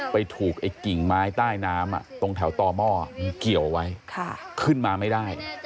ไปถูกไอ้กิ่งไม้ใต้น้ำตรงแถวต่อหม้อมันเกี่ยวไว้ขึ้นมาไม่ได้